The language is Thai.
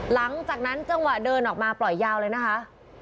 หลังจากนั้นจังหวะเดินออกมาปล่อยยาวเลยนะคะ